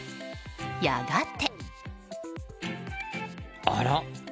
やがて。